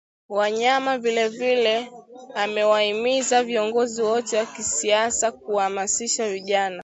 Wanyama vilevile amewahimiza viongozi wote wa kisiasa kuwahamasisha vijana